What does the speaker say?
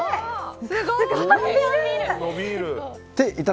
すごい！